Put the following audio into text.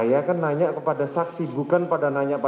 saya kan nanya kepada saksi bukan pada